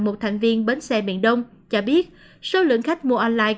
một thành viên bến xe miền đông cho biết số lượng khách mua online